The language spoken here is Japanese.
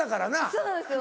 そうなんですよ！